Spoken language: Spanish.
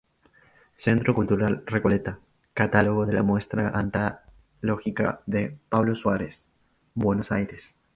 Centro Cultural Recoleta, Catálogo de la muestra antológica de Pablo Suárez, Buenos Aires.